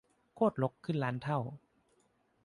โค้ดรกขึ้นล้านเท่า